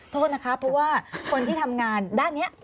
โทษนะคะเพราะว่าคนที่ทำงานด้านนี้